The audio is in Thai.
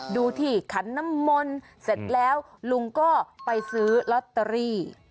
ดูที่ขันน้ำมนต์เสร็จแล้วลุงก็ไปซื้อลอตเตอรี่